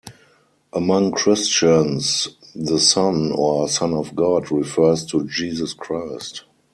Among Christians, "the Son" or Son of God refers to Jesus Christ.